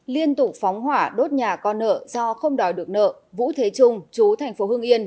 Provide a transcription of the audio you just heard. liên tục phóng hỏa đốt nhà con nợ do không đòi được nợ vũ thế trung chú tp hương yên